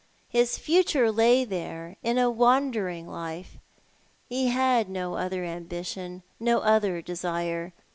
His future lay there, in a w^andering life. He had no other ambition — no other desire.